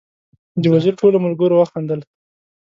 د وزیر ټولو ملګرو وخندل.